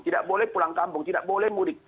tidak boleh pulang kampung tidak boleh mudik